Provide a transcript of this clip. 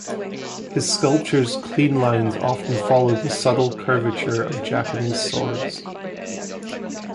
His sculptures' clean lines often follow the subtle curvature of Japanese swords.